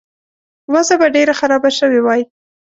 وضع به ډېره خرابه شوې وای.